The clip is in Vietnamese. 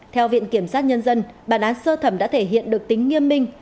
theo viện kiểm sát nhân dân bản án sơ thẩm đã thể hiện được tính nghiêm minh